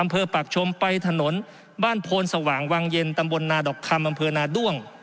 อปรักชมไปถนนบ้านโพนสววเย็นตณกคอนนด